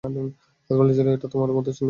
বলেছিল, এটা তোমার মধুচন্দ্রিমা।